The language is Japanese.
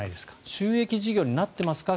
収益事業になっていますか？